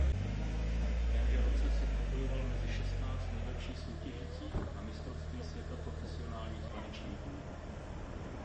V témže roce se probojoval mezi šestnáct nejlepších soutěžících na mistrovství světa profesionálních tanečníků.